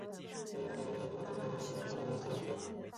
是出生后半年到一年之间的时候幼儿有发生的发热现象。